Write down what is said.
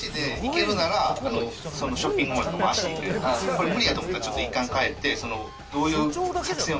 これ無理やと思ったらちょっと一旦帰って。